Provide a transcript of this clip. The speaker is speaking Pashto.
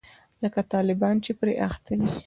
لکه طالبان چې پرې اخته دي.